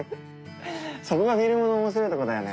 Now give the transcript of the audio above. そこがフィルムの面白いとこだよね。